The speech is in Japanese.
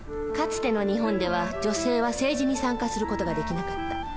かつての日本では女性は政治に参加する事ができなかった。